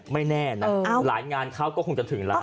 ไม่แน่นะหลายงานเขาก็คงจะถึงแล้ว